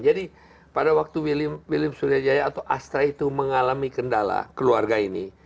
jadi pada waktu william suryajaya atau astra itu mengalami kendala keluarga ini